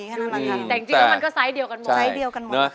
ในจริงแล้วมันก็ซ้ายเดียวกันเหมือนกันใช่เดียวกันเหมือนกัน